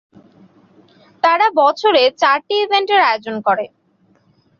তারা বছরে চারটি ইভেন্ট এর আয়োজন করে।